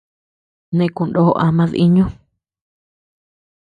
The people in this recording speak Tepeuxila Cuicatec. Nee kunoo ama diiñu.